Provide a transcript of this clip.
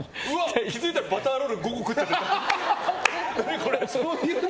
気づいたらバターロール５個食ってた！みたいな。